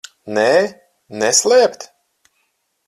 Nē? Neslēpt?